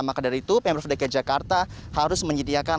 maka dari itu pemprov dki jakarta harus menyediakan